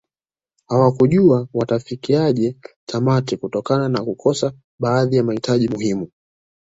Hawakujua watafikiaje tamati kutokana na kukosa baadhi mahitaji muhimu